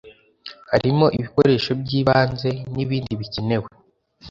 harimo ibikoresho by ibanze n ibindi bikenewe